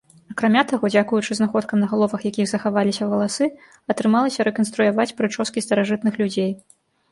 Акрамя таго, дзякуючы знаходкам, на галовах якіх захаваліся валасы, атрымалася рэканструяваць прычоскі старажытных людзей.